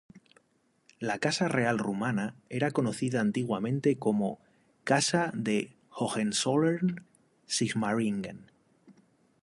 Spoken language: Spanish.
La casa real rumana era conocida antiguamente como "Casa de Hohenzollern-Sigmaringen".